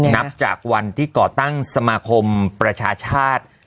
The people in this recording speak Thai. นับจากวันที่ก่อตั้งสมาคมประชาชาติ